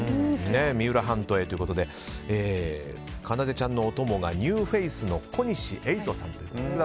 三浦半島へということでかなでちゃんのお供がニューフェースの小西詠斗さんという。